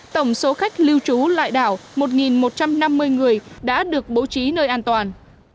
tổng số khách lưu trú lại đảo một một trăm năm mươi người đã được bố trí nơi an toàn